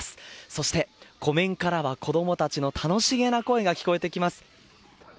そして湖面からは子供たちの楽しげな声が聞こえてきます。